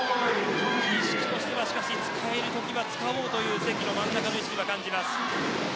しかし、使えるときは使おうという関の真ん中の意識を感じます。